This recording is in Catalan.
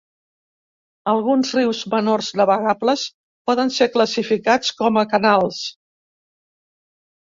Alguns rius menors navegables poden ser classificats com a canals.